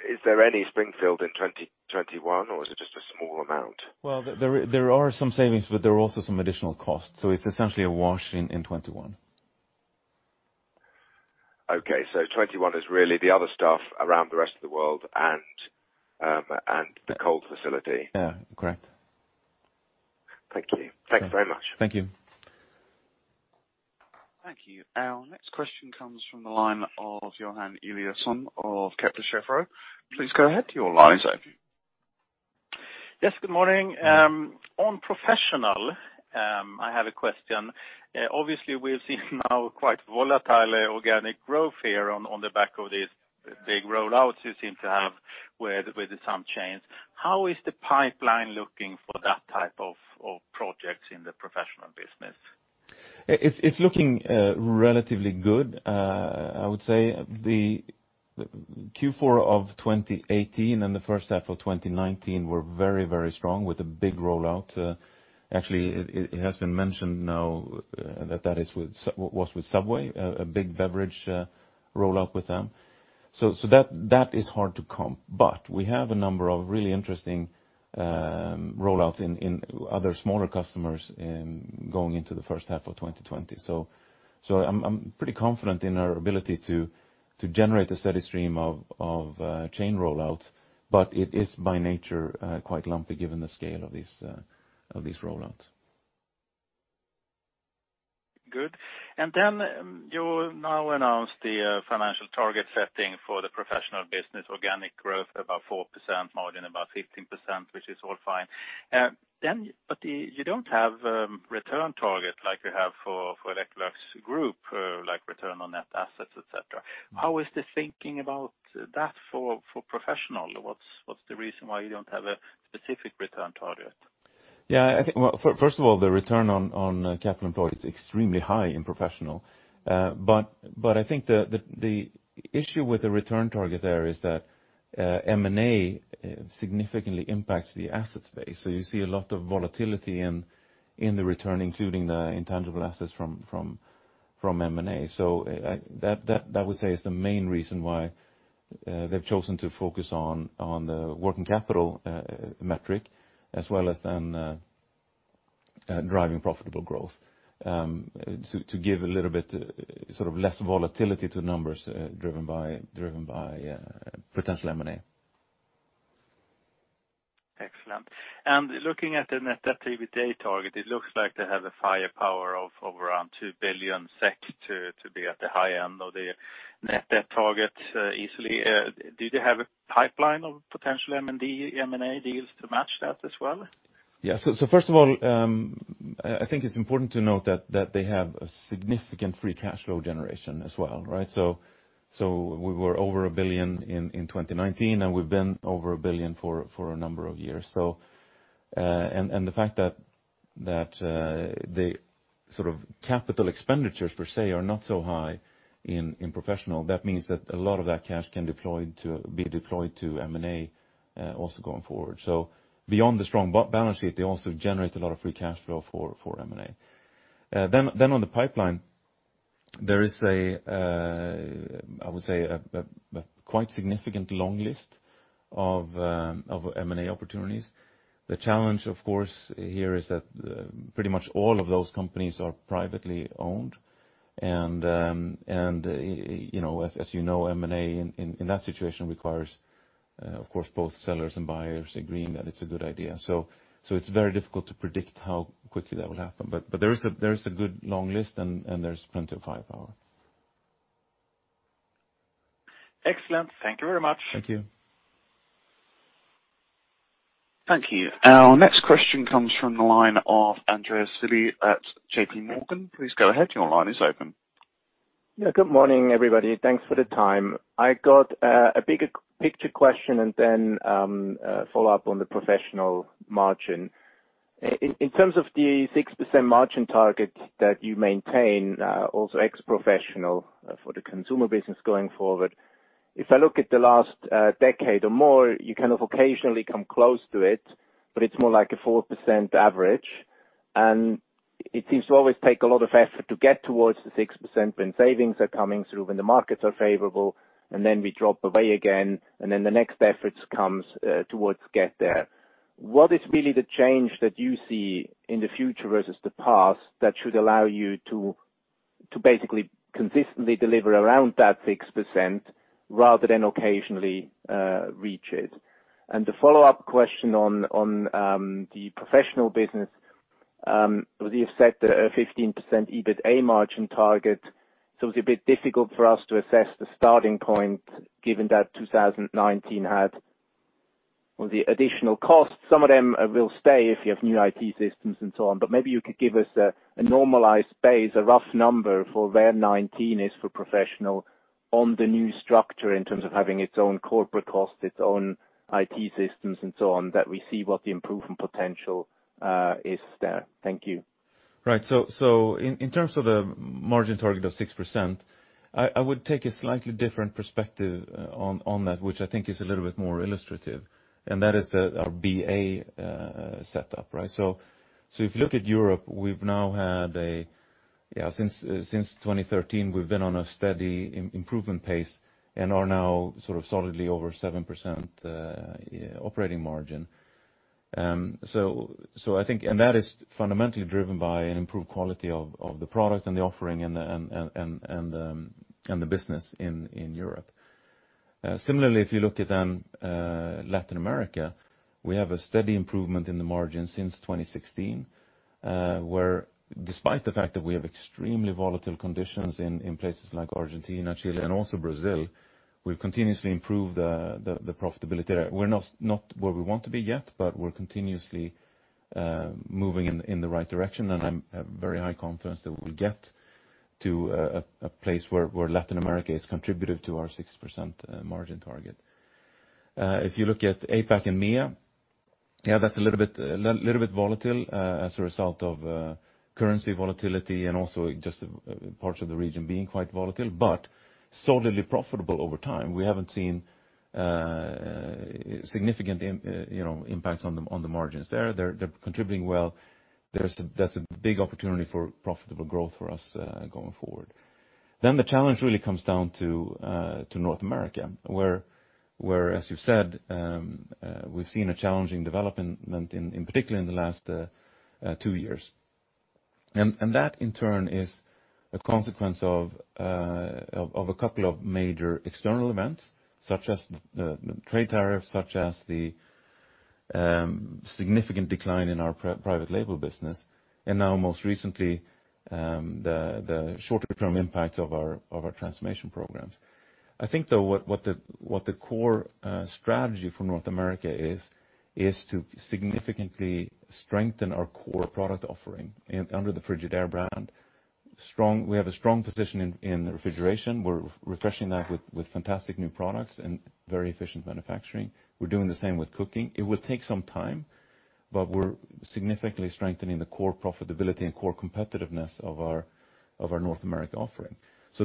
Is there any Springfield in 2021 or is it just a small amount? There are some savings, but there are also some additional costs. It's essentially a wash in 2021. 2021 is really the other stuff around the rest of the world and the cold facility. Yeah. Correct. Thank you. Thanks very much. Thank you. Thank you. Our next question comes from the line of Johan Eliason of Kepler Cheuvreux. Please go ahead. Your line is open. Yes, good morning. On professional, I have a question. Obviously, we're seeing now quite volatile organic growth here on the back of these big rollouts you seem to have with some chains. How is the pipeline looking for that type of projects in the professional business? It's looking relatively good. I would say the Q4 of 2018 and the first half of 2019 were very strong with a big rollout. Actually, it has been mentioned now that that was with Subway, a big beverage rollout with them. That is hard to come. We have a number of really interesting rollouts in other smaller customers going into the first half of 2020. I'm pretty confident in our ability to generate a steady stream of chain rollouts, but it is by nature quite lumpy given the scale of these rollouts. Good. Then you now announce the financial target setting for the Professional business organic growth, about 4%, margin about 15%, which is all fine. You don't have return target like you have for Electrolux Group, like return on net assets, et cetera. How is the thinking about that for Professional? What's the reason why you don't have a specific return target? First of all, the return on capital employed is extremely high in Professional. I think the issue with the return target there is that M&A significantly impacts the asset space. You see a lot of volatility in the return, including the intangible assets from M&A. That I would say is the main reason why they've chosen to focus on the working capital metric, as well as then driving profitable growth, to give a little bit less volatility to numbers driven by potential M&A. Excellent. Looking at the net debt EBITDA target, it looks like they have a firepower of around 2 billion SEK to be at the high end of their net debt target easily. Do they have a pipeline of potential M&A deals to match that as well? First of all, I think it's important to note that they have a significant free cash flow generation as well, right? We were over 1 billion in 2019, and we've been over 1 billion for a number of years. The fact that the capital expenditures per se are not so high in Professional, that means that a lot of that cash can be deployed to M&A also going forward. Beyond the strong balance sheet, they also generate a lot of free cash flow for M&A. On the pipeline, there is, I would say, a quite significant long list of M&A opportunities. The challenge, of course, here is that pretty much all of those companies are privately owned. As you know, M&A in that situation requires, of course, both sellers and buyers agreeing that it's a good idea. It's very difficult to predict how quickly that will happen. There is a good long list, and there's plenty of firepower. Excellent. Thank you very much. Thank you. Thank you. Our next question comes from the line of Andreas Willi at JPMorgan. Please go ahead. Your line is open. Yeah, good morning, everybody. Thanks for the time. I got a bigger picture question and then follow up on the professional margin. In terms of the 6% margin target that you maintain, also ex-professional for the consumer business going forward, if I look at the last decade or more, you kind of occasionally come close to it, but it's more like a 4% average. It seems to always take a lot of effort to get towards the 6% when savings are coming through, when the markets are favorable, then we drop away again, then the next efforts comes towards get there. What is really the change that you see in the future versus the past that should allow you to basically consistently deliver around that 6% rather than occasionally reach it? The follow-up question on the professional business, you've set a 15% EBITA margin target. It's a bit difficult for us to assess the starting point given that 2019 had all the additional costs. Some of them will stay if you have new IT systems and so on, but maybe you could give us a normalized base, a rough number for where 2019 is for Professional on the new structure in terms of having its own corporate costs, its own IT systems and so on, that we see what the improvement potential is there. Thank you. Right. In terms of the margin target of 6%, I would take a slightly different perspective on that, which I think is a little bit more illustrative, and that is our BA setup, right? If you look at Europe, since 2013, we've been on a steady improvement pace and are now solidly over 7% operating margin. That is fundamentally driven by an improved quality of the product and the offering and the business in Europe. Similarly, if you look at Latin America, we have a steady improvement in the margin since 2016, where despite the fact that we have extremely volatile conditions in places like Argentina, Chile, and also Brazil, we've continuously improved the profitability there. We're not where we want to be yet, but we're continuously moving in the right direction, and I'm very high confidence that we'll get to a place where Latin America is contributive to our 6% margin target. If you look at APAC and MEA, that's a little bit volatile as a result of currency volatility and also just parts of the region being quite volatile, but solidly profitable over time. We haven't seen significant impact on the margins there. They're contributing well. That's a big opportunity for profitable growth for us going forward. The challenge really comes down to North America, where, as you said, we've seen a challenging development in particular in the last two years. That in turn is a consequence of a couple of major external events, such as the trade tariffs, such as the significant decline in our private label business, and now most recently, the shorter-term impact of our transformation programs. I think though what the core strategy for North America is to significantly strengthen our core product offering under the Frigidaire brand. We have a strong position in refrigeration. We're refreshing that with fantastic new products and very efficient manufacturing. We're doing the same with cooking. It will take some time, but we're significantly strengthening the core profitability and core competitiveness of our North America offering.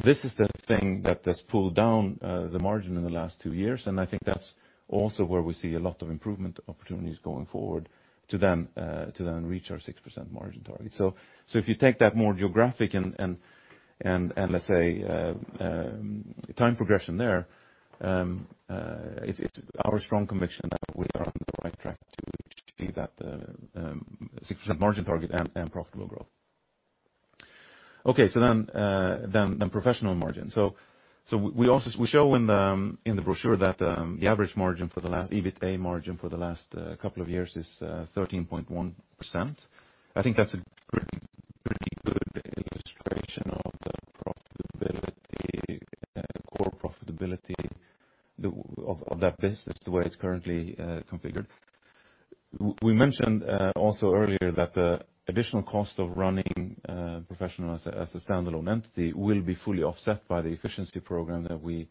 This is the thing that has pulled down the margin in the last two years, and I think that's also where we see a lot of improvement opportunities going forward to then reach our 6% margin target. If you take that more geographic and, let's say, time progression there, it's our strong conviction that we are on the right track to achieve that 6% margin target and profitable growth. Okay. Professional margin. We show in the brochure that the average EBITA margin for the last couple of years is 13.1%. I think that's a pretty good illustration of the core profitability of that business the way it's currently configured. We mentioned also earlier that the additional cost of running Professional as a standalone entity will be fully offset by the efficiency program that we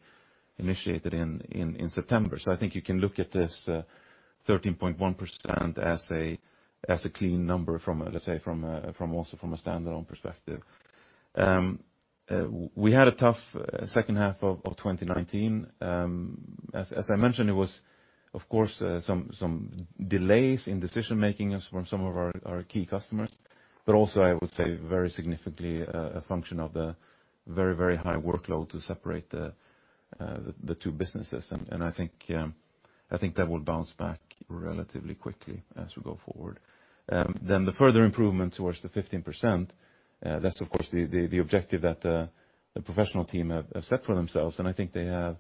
initiated in September. I think you can look at this 13.1% as a clean number from, let's say, also from a standalone perspective. We had a tough second half of 2019. As I mentioned, it was, of course, some delays in decision-making from some of our key customers, but also, I would say very significantly, a function of the very high workload to separate the two businesses. I think that will bounce back relatively quickly as we go forward. The further improvement towards the 15%, that's of course, the objective that the Professional team have set for themselves, and I think they have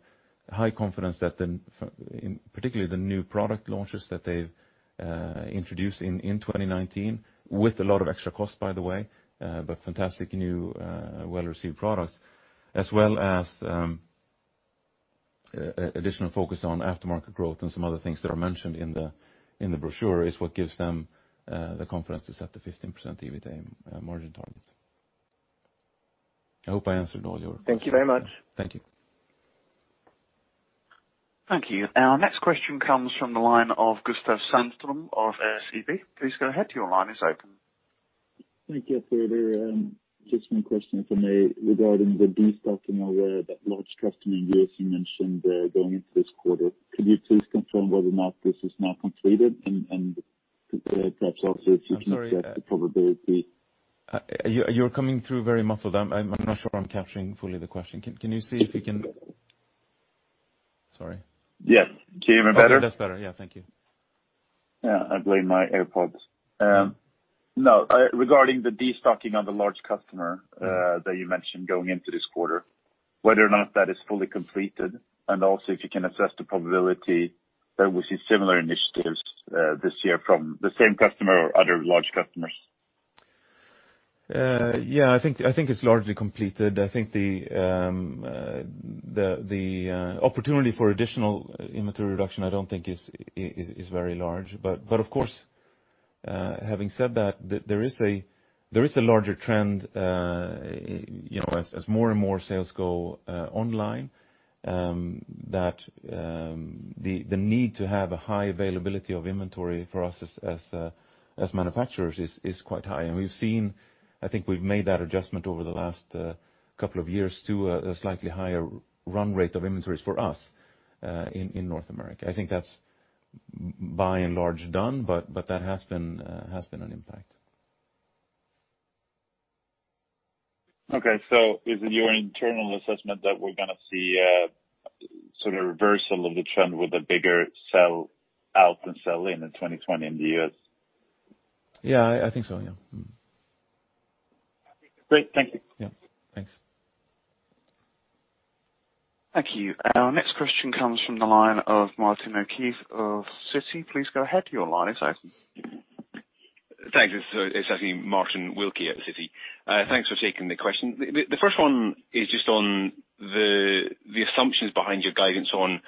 high confidence that, particularly the new product launches that they've introduced in 2019, with a lot of extra cost, by the way, but fantastic new well-received products, as well as additional focus on aftermarket growth and some other things that are mentioned in the brochure is what gives them the confidence to set the 15% EBITA margin targets. I hope I answered all your questions. Thank you very much. Thank you. Thank you. Our next question comes from the line of Gustav Hageus of SEB. Please go ahead. Your line is open. Thank you. Further, just one question from me regarding the destocking of that large customer in the U.S. you mentioned going into this quarter. Could you please confirm whether or not this is now completed? Perhaps also if you can address the probability. You're coming through very muffled. I'm not sure I'm capturing fully the question. Can you see if you can? Sorry. Yes. Can you hear me better? That's better. Yeah. Thank you. Yeah. I blame my AirPods. No, regarding the destocking on the large customer that you mentioned going into this quarter, whether or not that is fully completed, and also if you can assess the probability that we will see similar initiatives this year from the same customer or other large customers. Yeah. I think it's largely completed. I think the opportunity for additional inventory reduction, I don't think is very large. Of course, having said that, there is a larger trend as more and more sales go online, that the need to have a high availability of inventory for us as manufacturers is quite high. I think we've made that adjustment over the last couple of years to a slightly higher run rate of inventories for us in North America. I think that's by and large done, but that has been an impact. Okay. Is it your internal assessment that we're going to see a reversal of the trend with a bigger sell out than sell in in 2020 in the U.S.? Yeah, I think so, yeah. Great. Thank you. Thanks. Thank you. Our next question comes from the line of Martin Wilkie of Citi. Please go ahead. Your line is open. Thanks. It is actually Martin Wilkie at Citi. Thanks for taking the question. The first one is just on the assumptions behind your guidance on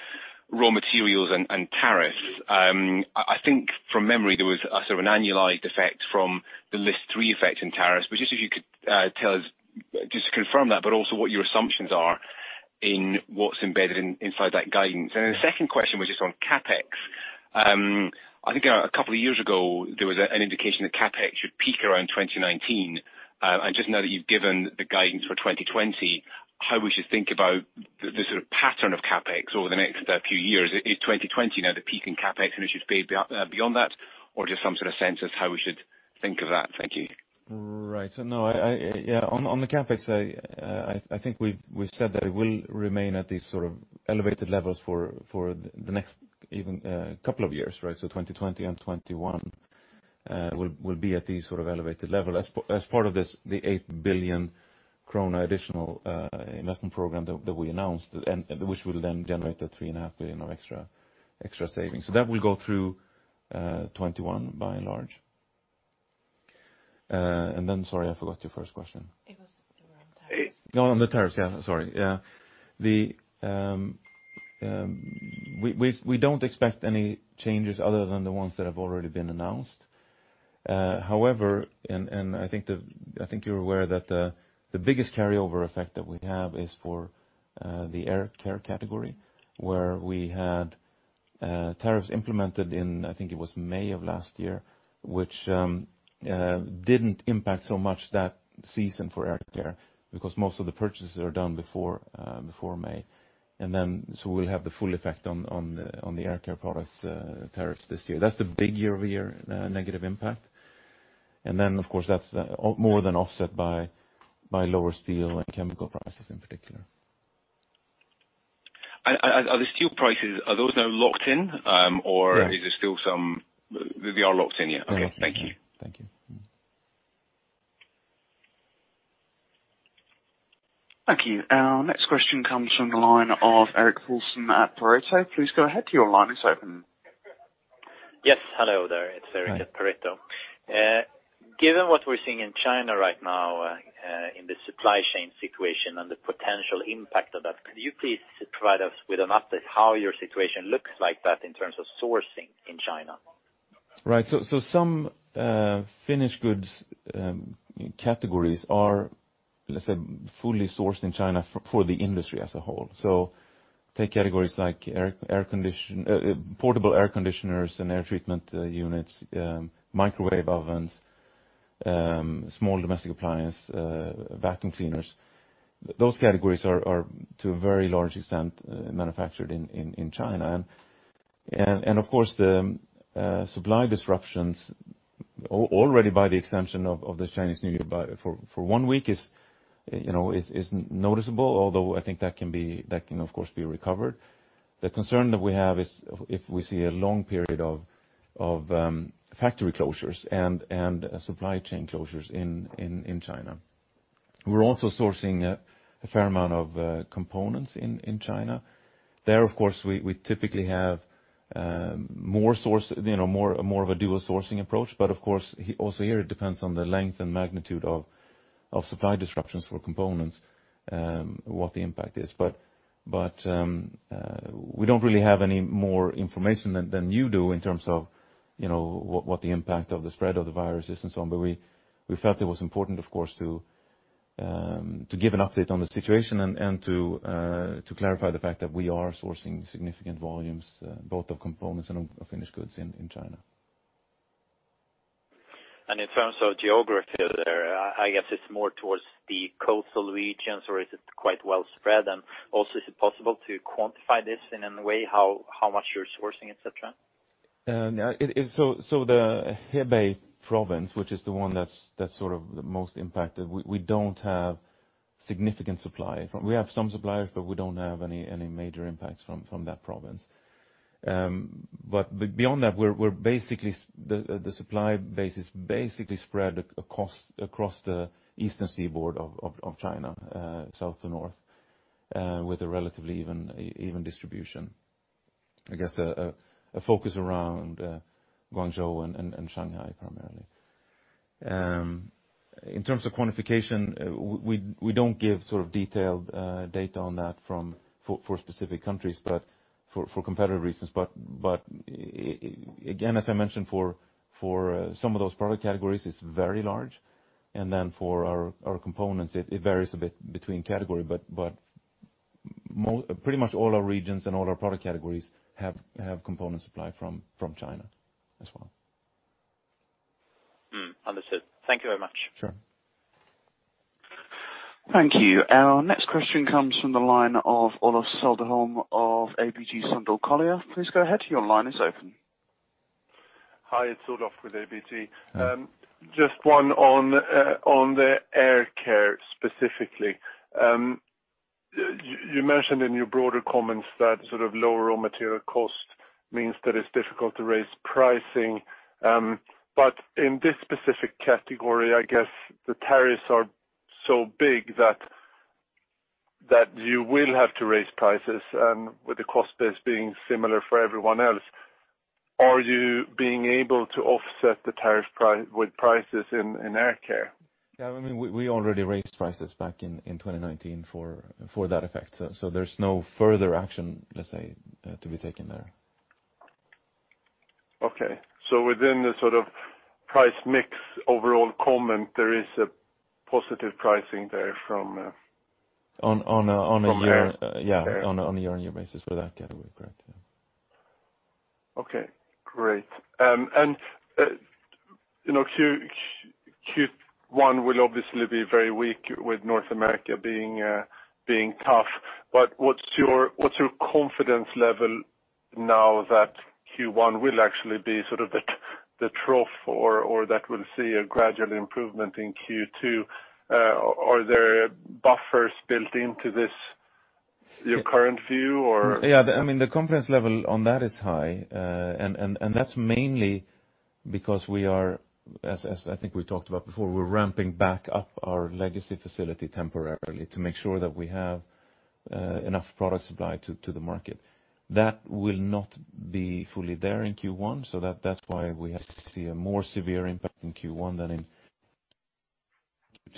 raw materials and tariffs. I think from memory, there was a sort of an annualized effect from the list three effect in tariffs. Just if you could tell us, just to confirm that, but also what your assumptions are in what is embedded inside that guidance. Then the second question was just on CapEx. I think a couple of years ago, there was an indication that CapEx should peak around 2019. Just now that you have given the guidance for 2020, how we should think about the pattern of CapEx over the next few years. Is 2020 now the peak in CapEx and it should fade beyond that? Or just some sort of sense as to how we should think of that. Thank you. Right. No, on the CapEx, I think we've said that it will remain at these elevated levels for the next even couple of years, right? 2020 and 2021 will be at the elevated level as part of the 8 billion krona additional investment program that we announced, and which will then generate the 3.5 billion of extra savings. That will go through 2021 by and large. Then, sorry, I forgot your first question. Oh, on the tariffs. Yeah, sorry. We don't expect any changes other than the ones that have already been announced. However, and I think you're aware that the biggest carryover effect that we have is for the air care category, where we had tariffs implemented in, I think it was May of last year, which didn't impact so much that season for air care because most of the purchases are done before May. We'll have the full effect on the air care products tariffs this year. That's the big year-over-year negative impact. Then, of course, that's more than offset by lower steel and chemical prices in particular. Are the steel prices, are those now locked in? Yes. They are locked in, yeah. They are locked in. Okay. Thank you. Thank you. Thank you. Our next question comes from the line of Eric Paulsson at Pareto. Please go ahead. Your line is open. Yes. Hello there. It's Erik at Pareto. Hi. Given what we're seeing in China right now in the supply chain situation and the potential impact of that, could you please provide us with an update how your situation looks like that in terms of sourcing in China? Right. Some finished goods categories are, let's say, fully sourced in China for the industry as a whole. Take categories like portable air conditioners and air treatment units, microwave ovens, small domestic appliance, vacuum cleaners. Those categories are to a very large extent, manufactured in China. Of course, the supply disruptions already by the exemption of the Chinese New Year for one week is noticeable. Although I think that can of course be recovered. The concern that we have is if we see a long period of factory closures and supply chain closures in China. We're also sourcing a fair amount of components in China. There, of course, we typically have more of a dual sourcing approach. Of course, also here it depends on the length and magnitude of supply disruptions for components, what the impact is. We don't really have any more information than you do in terms of what the impact of the spread of the virus is and so on. We felt it was important, of course, to give an update on the situation and to clarify the fact that we are sourcing significant volumes, both of components and of finished goods in China. In terms of geography there, I guess it's more towards the coastal regions, or is it quite well spread? Also, is it possible to quantify this in any way, how much you're sourcing, et cetera? The Hubei Province, which is the one that's the most impacted, we don't have significant supply. We have some suppliers, we don't have any major impacts from that Province. Beyond that, the supply base is basically spread across the eastern seaboard of China, south to north, with a relatively even distribution. I guess a focus around Guangzhou and Shanghai primarily. In terms of quantification, we don't give detailed data on that for specific countries for competitive reasons. Again, as I mentioned, for some of those product categories, it's very large. For our components, it varies a bit between category, but pretty much all our regions and all our product categories have component supply from China as well. Understood. Thank you very much. Sure. Thank you. Our next question comes from the line of Olof Cederholm of ABG Sundal Collier. Please go ahead. Your line is open. Hi, it's Olof with ABG. Hi. Just one on the air care specifically. You mentioned in your broader comments that lower raw material cost means that it's difficult to raise pricing. In this specific category, I guess the tariffs are so big that you will have to raise prices, and with the cost base being similar for everyone else. Are you being able to offset the tariff with prices in air care? Yeah, we already raised prices back in 2019 for that effect. There's no further action, let's say, to be taken there. Okay. Within the price mix overall comment, there is a positive pricing there. On a- From there. Yeah. On a year-on-year basis for that category. Correct. Yeah. Q1 will obviously be very weak with North America being tough. What's your confidence level now that Q1 will actually be the trough or that we'll see a gradual improvement in Q2? Are there buffers built into this, your current view, or? Yeah. The confidence level on that is high. That's mainly because, as I think we talked about before, we're ramping back up our legacy facility temporarily to make sure that we have enough product supply to the market. That will not be fully there in Q1. That's why we have to see a more severe impact in Q1 than in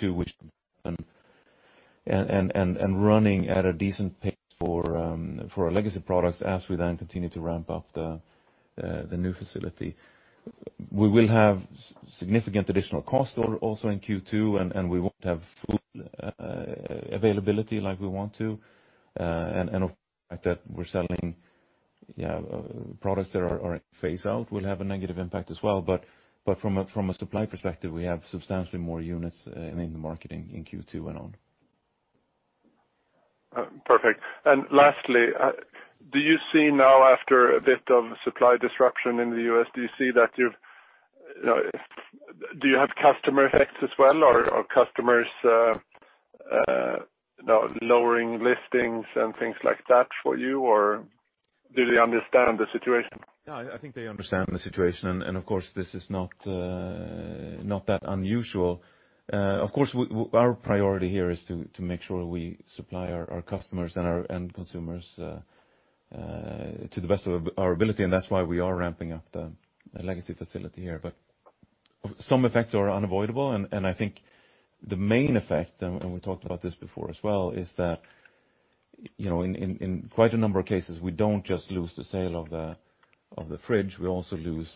Q2, which and running at a decent pace for our legacy products as we then continue to ramp up the new facility. We will have significant additional cost also in Q2. We won't have full availability like we want to. The fact that we're selling products that are in phase out will have a negative impact as well. From a supply perspective, we have substantially more units in the market in Q2 and on. Perfect. Lastly, do you see now after a bit of supply disruption in the U.S., do you have customer effects as well, or are customers now lowering listings and things like that for you? Or do they understand the situation? No, I think they understand the situation. Of course, this is not that unusual. Of course, our priority here is to make sure we supply our customers and our end consumers to the best of our ability, and that's why we are ramping up the legacy facility here. Some effects are unavoidable, and I think the main effect, and we talked about this before as well, is that, in quite a number of cases, we don't just lose the sale of the fridge, we also lose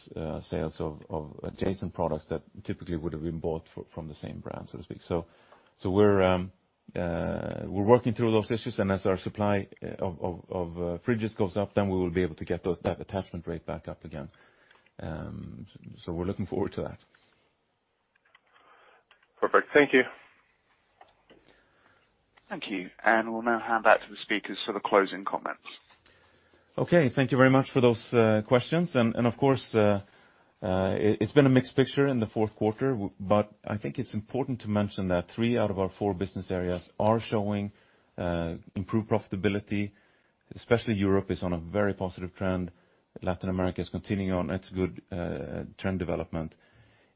sales of adjacent products that typically would have been bought from the same brand, so to speak. We're working through those issues, and as our supply of fridges goes up, then we will be able to get that attachment rate back up again. We're looking forward to that. Perfect. Thank you. Thank you. We'll now hand back to the speakers for the closing comments. Okay. Thank you very much for those questions. Of course, it's been a mixed picture in the fourth quarter, but I think it's important to mention that three out of our four business areas are showing improved profitability, especially Europe is on a very positive trend. Latin America is continuing on its good trend development.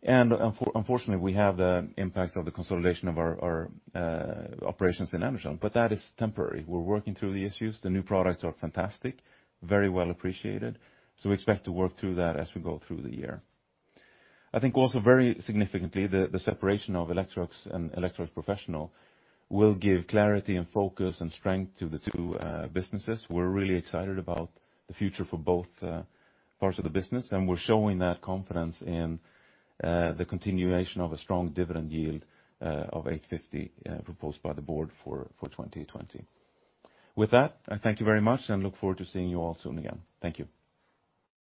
Unfortunately, we have the impacts of the consolidation of our operations in Anderson, but that is temporary. We're working through the issues. The new products are fantastic, very well appreciated. We expect to work through that as we go through the year. I think also very significantly, the separation of Electrolux and Electrolux Professional will give clarity and focus and strength to the two businesses. We're really excited about the future for both parts of the business, and we're showing that confidence in the continuation of a strong dividend yield of 8.50% proposed by the board for 2020. With that, I thank you very much and look forward to seeing you all soon again. Thank you.